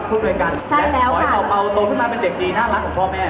พูดด้วยกันอยากขอให้ต่อไปตัวขึ้นมาเป็นเด็กดีน่ารักของพ่อแม่